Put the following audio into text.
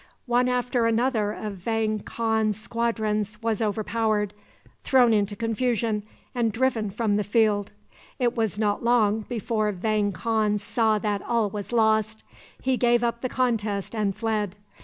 One after another of Vang Khan's squadrons was overpowered, thrown into confusion, and driven from the field. It was not long before Vang Khan saw that all was lost. He gave up the contest and fled.